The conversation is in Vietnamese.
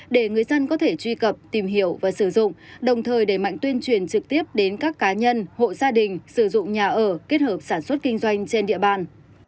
để người dân có thể truy cập tìm hiểu và sử dụng đồng thời đẩy mạnh tuyên truyền trực tiếp đến các cá nhân hộ gia đình sử dụng nhà ở kết hợp sản xuất kinh doanh trên địa bàn